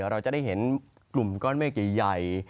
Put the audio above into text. เราจะได้เห็นกลุ่มก้อนเมฆใหญ่